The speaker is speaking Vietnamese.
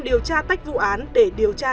điều tra tách vụ án để điều tra